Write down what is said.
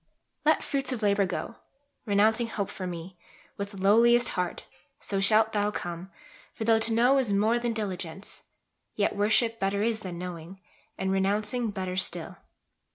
Let fruits of labour go, Renouncing hope for Me, with lowliest heart, So shalt thou come; for tho' to know is more Than diligence, yet worship better is Than knowing, and renouncing better still.